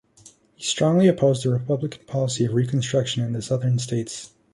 He strongly opposed the Republican policy of Reconstruction in the Southern States.